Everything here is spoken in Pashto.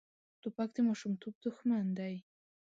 توپک د ماشومتوب دښمن دی.